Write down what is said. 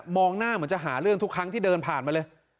หน้าเหมือนจะหาเรื่องทุกครั้งที่เดินผ่านมาเลย